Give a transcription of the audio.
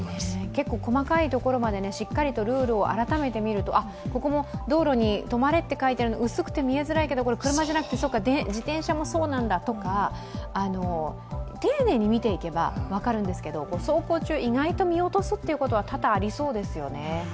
結構細かいところまでしっかりルールを改めて見るとここも道路に「とまれ」って書いてある、薄くて見えづらいけど、そっか自転車もそうなんだとか、丁寧に見ていけば分かるんですが走行中、意外と見落とすことは多々ありそうですよね。